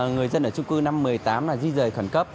người dân ở trung cư năm trăm một mươi tám di dời khẩn cấp